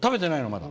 まだ。